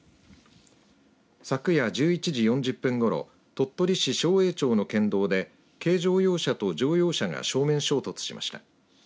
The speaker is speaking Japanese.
昨夜１１時４０分ごろ鳥取市商栄町の県道で軽乗用車と乗用車が正面衝突しました。